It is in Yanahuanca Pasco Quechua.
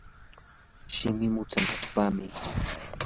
shimi mutsanapaqmi.